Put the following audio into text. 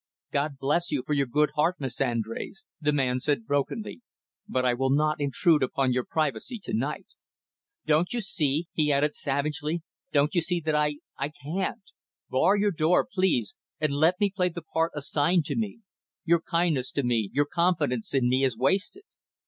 "God bless you, for your good heart, Miss Andrés," the man said brokenly. "But I will not intrude upon your privacy to night. Don't you see," he added savagely, "don't you see that I I can't? Bar your door, please, and let me play the part assigned to me. Your kindness to me, your confidence in me, is wasted."